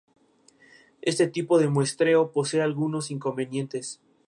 Este tipo de muestreo posee algunos inconvenientes.